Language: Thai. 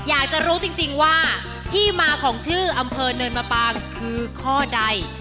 อยากจะรู้จริงว่าที่มาของชื่ออำเภอเนินมะปางคือข้อใด